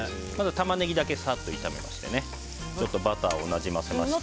タマネギだけサッと炒めてバターをなじませましたら。